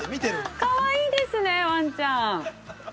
かわいいですね、ワンちゃん。